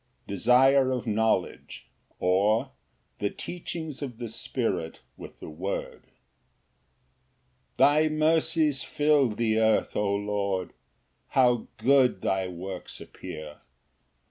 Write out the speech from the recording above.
Desire of knowledge; or, The teachings of the Spirit with the word. Ver. 64 66 18. 1 Thy mercies fill the earth, O Lord, How good thy works appear!